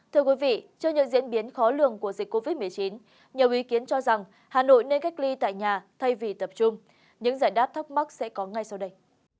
thưa quý vị trước những diễn biến khó lường của dịch covid một mươi chín nhiều ý kiến cho rằng hà nội nên cách ly tại nhà thay vì tập trung những giải đáp thắc mắc sẽ có ngay sau đây